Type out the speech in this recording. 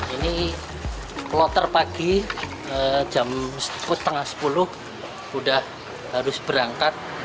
ini pelotar pagi jam setengah sepuluh udah harus berangkat